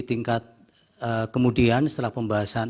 tingkat kemudian setelah pembahasan